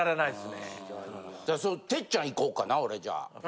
哲ちゃんいこうかな俺じゃあ。